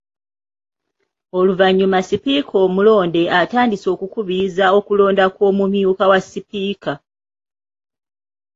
Oluvannyuma Sipiika omulonde atandise okukubiriza okulonda kw’Omumyuka wa Sipiika.